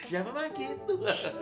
ya memang gitu